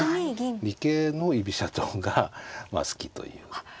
理系の居飛車党がまあ好きという。